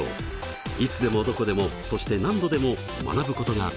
いつでもどこでもそして何度でも学ぶことができます。